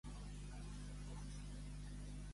A encalçar moneies!